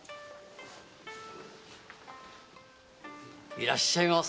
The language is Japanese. いらっしゃいませ。